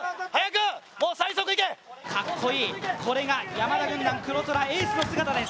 かっこいい、これが山田軍団黒虎、エースの姿です。